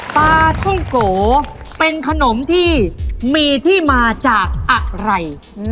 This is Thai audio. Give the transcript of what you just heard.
ปลาท่องโกเป็นขนมที่มีที่มาจากอะไร